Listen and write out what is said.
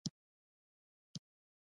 په هره میلمستیا کې به سپینې کترې پخېدلې.